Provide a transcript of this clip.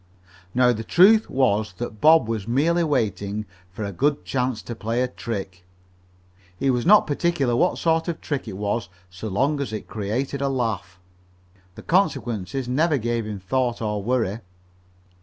Now the truth was that Bob was merely waiting for a good chance to play a trick. He was not particular what sort of a trick it was so long as it created a laugh. The consequences never gave him a thought or worry.